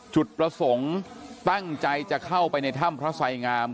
จุดประสงค์ตั้งใจจะเข้าไปในถ้ำพระไสงาม